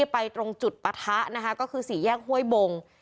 ลงพื้นที่ไปตรงจุดปะทะนะฮะก็คือสี่แยกห้วยบง